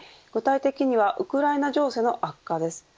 具体的にはウクライナ情勢の悪化です。